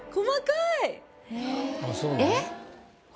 えっ？